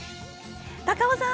高尾さん！